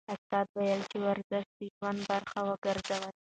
استاد وویل چې ورزش د ژوند برخه وګرځوئ.